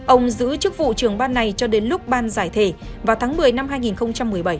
ông giữ chức vụ trưởng ban này cho đến lúc ban giải thể vào tháng một mươi năm hai nghìn một mươi bảy